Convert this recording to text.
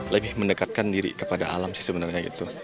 lebih mendekatkan diri kepada alam sih sebenarnya gitu